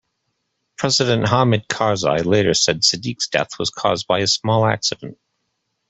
President Hamid Karzai later said Sadiq's death was caused by a small accident.